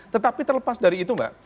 tetapi terlepas dari itu mbak